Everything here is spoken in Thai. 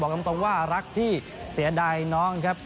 ตรงว่ารักพี่เสียดายน้องครับ